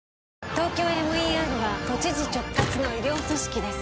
ＴＯＫＹＯＭＥＲは都知事直轄の医療組織です